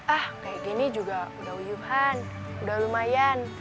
ah kayak gini juga udah wuhan udah lumayan